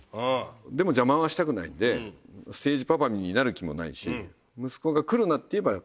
でも邪魔はしたくないんでステージパパになる気もないし息子が来るなって言えば会場へは行かない。